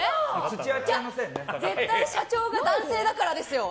絶対、社長が男性だからですよ。